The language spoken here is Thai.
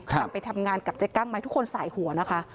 นำไปทำงานกับเจ๊กั้งไหมทุกคนสายหัวนะคะ